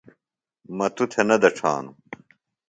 مہ توۡ تھےۡ نہ دڇھانوۡ۔